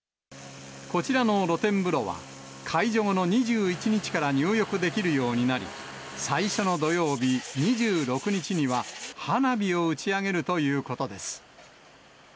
こちらの露天風呂は、解除後の２１日から入浴できるようになり、最初の土曜日、２６日には、花火を打ち上げるということです。